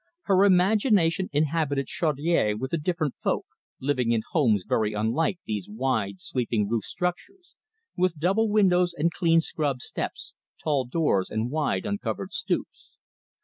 Her imagination inhabited Chaudiere with a different folk, living in homes very unlike these wide, sweeping roofed structures, with double windows and clean scrubbed steps, tall doors, and wide, uncovered stoops.